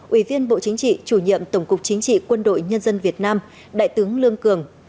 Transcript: ủy viên bộ chính trị chủ nhiệm tổng cục chính trị quân đội nhân dân việt nam đại tướng lương cường